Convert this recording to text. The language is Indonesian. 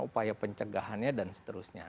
upaya pencegahannya dan seterusnya